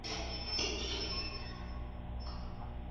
这个数字是除了法案中特别授权的第四级和第五级外的。